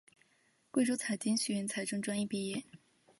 贵州财经学院财政专业毕业。